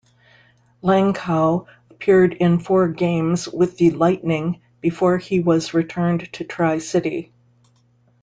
Langkow appeared in four games with the Lightning before he was returned to Tri-City.